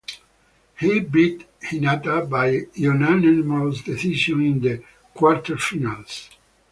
He beat Hinata by unanimous decision in the quarterfinals.